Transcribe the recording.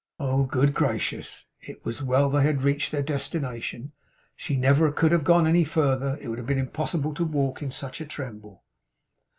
Oh, good gracious! It was well they had reached their destination. She never could have gone any further. It would have been impossible to walk in such a tremble.